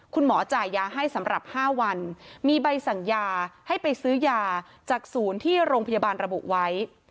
คุณหมอจ่ายยาให้สำหรับ๕วันมีใบสั่งยาให้ไปซื้อยาจากศูนย์ที่โรงพยาบาลระบุไว้